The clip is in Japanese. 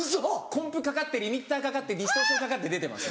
コンプかかってリミッターかかってディストーションかかって出てます。